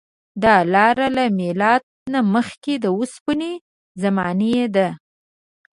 دا لاره له میلاد نه مخکې د اوسپنې زمانې ده.